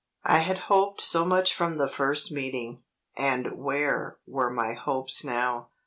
I had hoped so much from that first meeting and where were my hopes now?